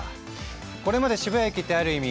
これまで渋谷駅ってある意味